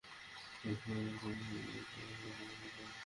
রাত সাড়ে তিনটার দিকে জেএমবির তিন থেকে চারজন সদস্য সেতু অতিক্রম করছিলেন।